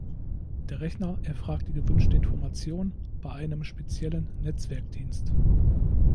Der Rechner erfragt die gewünschte Information bei einem speziellen Netzwerkdienst.